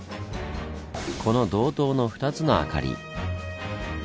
この導灯の２つの明かり。